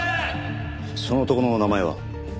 その男の名前は？